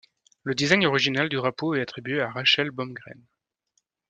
Le design original du drapeau est attribué à Rachel Bomgren.